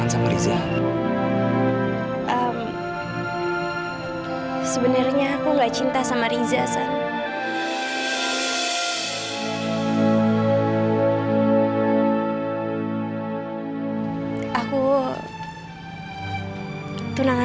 sampai jumpa di video selanjutnya